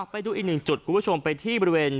ไปดูอีกหนึ่งจุดคุณผู้ชมไปที่บริเวณ